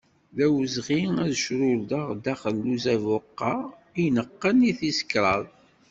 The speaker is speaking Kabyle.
D awezɣi ad crurdeɣ daxel n uzabuq-a ineqqen i tis kraḍ.